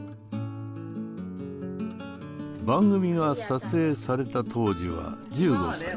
番組が撮影された当時は１５歳。